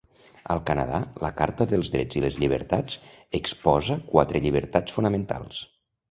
Al Canadà, la Carta dels Drets i les Llibertats exposa quatre llibertats fonamentals.